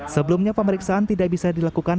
sebelumnya pemeriksaan tidak bisa dilakukan